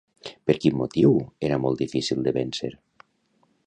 Per quin motiu era molt difícil de vèncer?